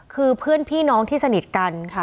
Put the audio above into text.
คือเพื่อนพี่น้องที่สนิทกันค่ะ